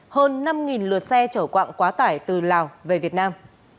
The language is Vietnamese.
hơn năm lượt xe chở quạng quá tải từ lào về việt nam